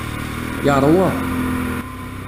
Yeṛwa.